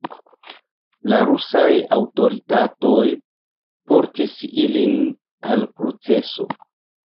La rusaj aŭtoritatoj portis ilin al proceso.